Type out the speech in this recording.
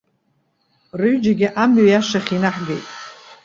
Рҩыџьагьы амҩа иашахь инаҳгеит.